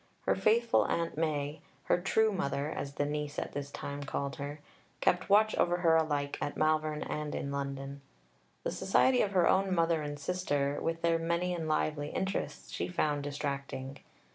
Her faithful Aunt Mai her "true mother," as the niece at this time called her kept watch over her alike at Malvern and in London. The society of her own mother and sister, with their many and lively interests, she found distracting.